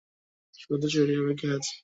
শুধু ছুটির অপেক্ষায় আছি।